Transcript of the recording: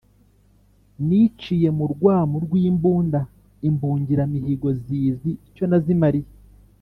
Niciye mu rwamu rw’imbunda, imbungiramihigo zizi icyo nazimaliye.